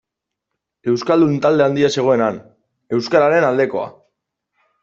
Euskaldun talde handia zegoen han, euskararen aldekoa.